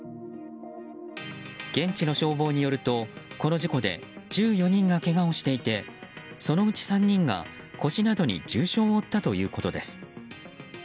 現地の消防によると、この事故で１４人がけがをしていてそのうち３人が、腰などに重傷を負ったということです。